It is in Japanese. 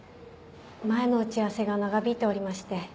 前の打ち合わせが長引いておりまして。